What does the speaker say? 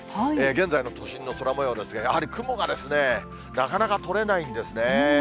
現在の都心の空もようですが、やはり雲がなかなか取れないんですね。